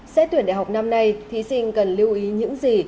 xét tuyển đại học năm nay thí sinh cần lưu ý những gì